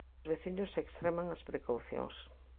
Os veciños extreman as precaucións.